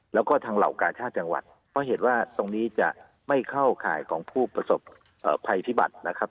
แล้วก็ทางเหล่ากาชาติจังหวัดเพราะเหตุว่าตรงนี้จะไม่เข้าข่ายของผู้ประสบภัยพิบัตินะครับ